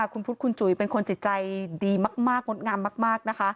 คุณพุทธคุณจุ๋ยเป็นคนจิตใจดีมากงดงามมากนะคะ